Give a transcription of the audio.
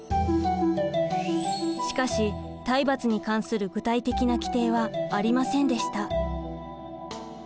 しかし体罰に関する具体的な規定はありませんでした。